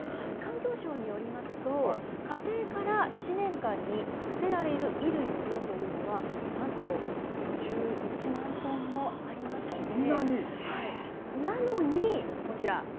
環境省によりますと家庭から１年間に捨てられる衣類の量というのが何と５１万トンもありましてなのに、こちら。